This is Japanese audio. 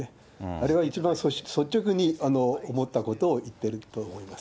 あれは一番率直に思ったことを言ってると思います。